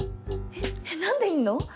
えっなんでいんの？